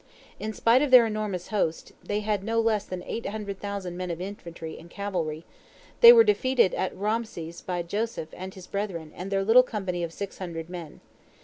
In spite of their enormous host—they had no less than eight hundred thousand men of infantry and cavalry—they were defeated at Raamses by Joseph and his brethren and their little company of six hundred men.